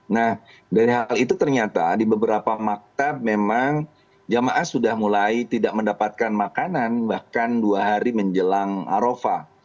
nah dari hal itu ternyata di beberapa maktab memang jemaah sudah mulai tidak mendapatkan makanan bahkan dua hari menjelang arofah